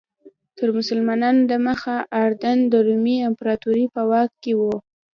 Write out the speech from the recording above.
تر مسلمانانو دمخه اردن د رومي امپراتورۍ په واک کې و.